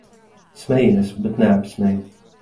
Smejies, bet neapsmej.